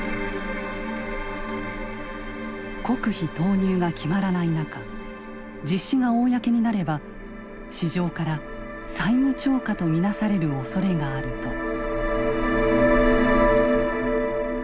国費投入が決まらない中実施が公になれば市場から債務超過と見なされるおそれがあると。